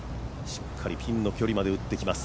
しっかりピンの距離まで打ってきます。